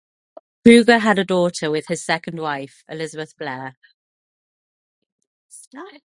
Cruger had a daughter with his second wife, Elizabeth Blair.